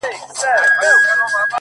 ته لږه ایسته سه چي ما وویني ـ